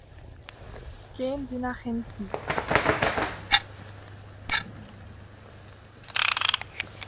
Gehen Sie nach hinten!